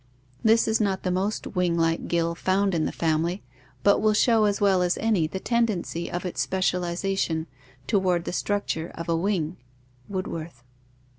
This is not the most winglike gill found in the family, but will show as well as any the tendency of its specialization toward the structure of a wing" (Woodworth).